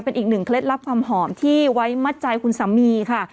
เป็นอีกหนึ่งเคล็ดลับความหอมที่ไว้มัดใจคุณสามีค่ะ